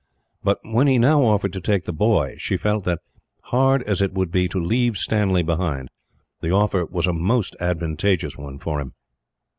But when he now offered to take the boy she felt that, hard as it would be to leave Stanley behind, the offer was a most advantageous one for him.